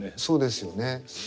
そうですよね。